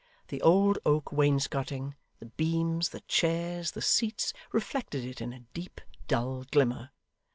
The old oak wainscoting, the beams, the chairs, the seats, reflected it in a deep, dull glimmer.